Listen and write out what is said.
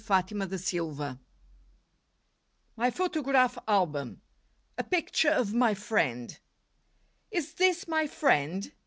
20 LIFE WAVES MY PHOTOGRAPH ALBUM A PICTURE OF MY FRIEND Is this, my friend!